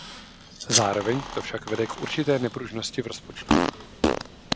Zároveň to však vede k určité nepružnosti v rozpočtu.